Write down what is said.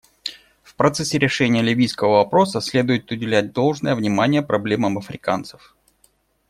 В процессе решения ливийского вопроса следует уделять должное внимание проблемам африканцев.